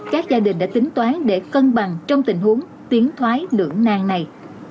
các gia đình đã tính toán để cân bằng trong tình huống tiến thoái lưỡng nang này